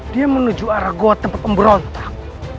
dia menuju arah goa tempat pemberontak